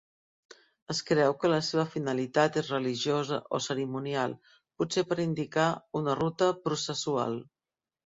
Es creu que la seva finalitat és religiosa o cerimonial, potser per indicar una ruta processual.